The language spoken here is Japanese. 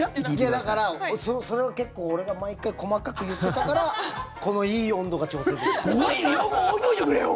だから、それは結構、俺が毎回細かく言っていたからこのいい温度が調整できる。